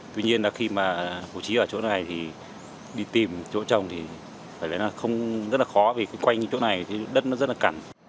tuy nhiên là khi mà bố trí ở chỗ này thì đi tìm chỗ trồng thì phải nói là không rất là khó vì quanh chỗ này thì đất nó rất là cằn